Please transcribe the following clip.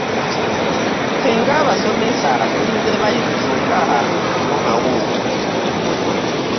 Ffe nga abasomesa tulinze bayizi bokka kukomawo.